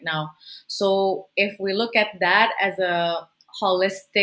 jadi jika kita melihat itu